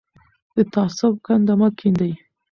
د تعصب کنده مه کیندئ.